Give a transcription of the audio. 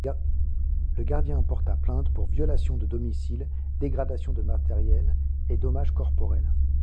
Le gardien porta plainte pour violation de domicile, dégradation de matériel, et dommages corporels.